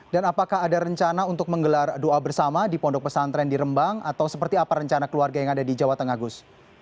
dan apakah ada rencana untuk menggelar doa bersama di pondok pesantren di rembang atau seperti apa rencana keluarga yang ada di jawa tengah gus